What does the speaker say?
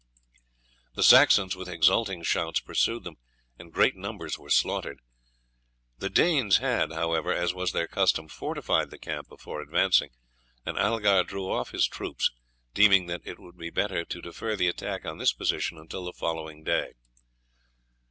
The Saxons with exulting shouts pursued them, and great numbers were slaughtered. The Danes had, however, as was their custom, fortified the camp before advancing, and Algar drew off his troops, deeming that it would be better to defer the attack on this position until the following day.